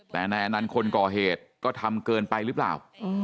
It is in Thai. แต่นายอนันต์คนก่อเหตุก็ทำเกินไปหรือเปล่า